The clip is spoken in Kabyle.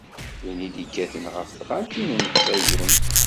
Win i d-ikkaten ɣef tɣaltin n Ṣiyun.